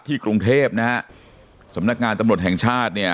กรุงเทพนะฮะสำนักงานตำรวจแห่งชาติเนี่ย